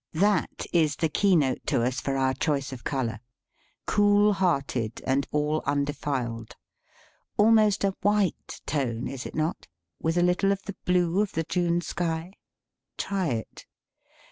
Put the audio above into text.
That is the key 73 THE SPEAKING VOICE note to us for our choice of color "cool hearted and all undefiled." Almost a white tone, is it not ? With a little of the blue of the June sky ? Try it.